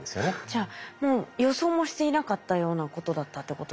じゃあもう予想もしていなかったようなことだったってことですか？